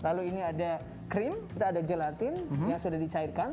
lalu ini ada krim kita ada gelatin yang sudah dicairkan